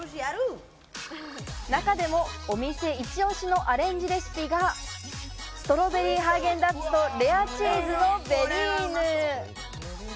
中でもお店イチ押しのアレンジレシピがストロベリーハーゲンダッツとレアチーズのヴェリーヌ。